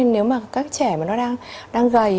nếu mà các trẻ mà nó đang gầy